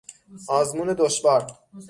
آزمون دشوار